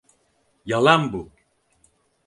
Yalan bu!